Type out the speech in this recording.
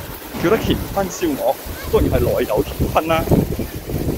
叫得乾坤燒鵝，當然係內有乾坤啦